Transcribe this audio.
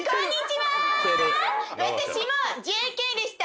「私もＪＫでした。